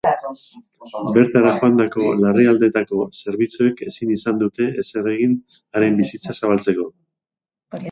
Bertara joandako larrialdietako zerbitzuek ezin izan dute ezer egin haren bizitza salbatzeko.